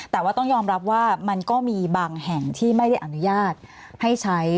แต่ว่าต้องยอมรับว่ามันก็มีบางแห่งที่ไม่ได้อนุญาตให้ใช้